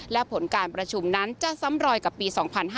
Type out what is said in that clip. และผลการประชุมนั้นจะซ้ำรอยกับปี๒๕๕๙